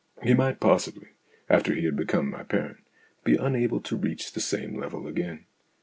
He might possibly, after he had become my parent, be unable to reach the same level again.